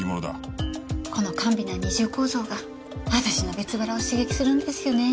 この甘美な二重構造が私の別腹を刺激するんですよね。